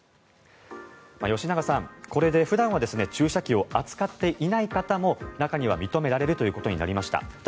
吉永さん、これで普段は注射器を扱っていない方も中には認められるということになりました。